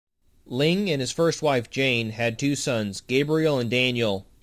Ling and his first wife, Jane, had two sons, Gabriel and Daniel.